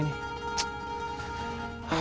kenapa harus berurusan sama ayam